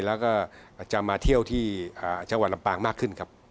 แล้วก็อาจจะมาเที่ยวที่จังหวัดลำปางมากขึ้นครับ